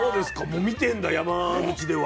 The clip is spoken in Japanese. もう見てんだ山口では。